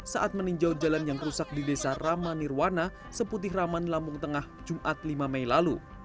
saat meninjau jalan yang rusak di desa rama nirwana seputih raman lampung tengah jumat lima mei lalu